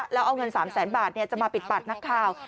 แล้วเอาเงิน๓แสนบาทจะมาปิดปากนักข่าว